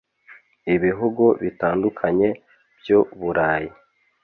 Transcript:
Ibihugu bitandukanye by Uburayi